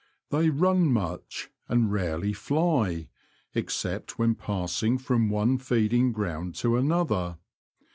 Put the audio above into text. They run much, and rarely fly, except when passing from one feeding ground to another.